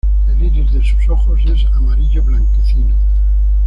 El iris de sus ojos es amarillo blanquecino.